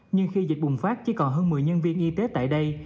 nhưng khi dịch bùng phát chỉ còn hơn một mươi nhân viên y tế tại đây